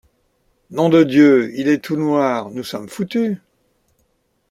Nom de Dieu ! il est tout noir, nous sommes foutus !